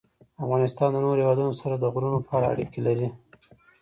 افغانستان له نورو هېوادونو سره د غرونو په اړه اړیکې لري.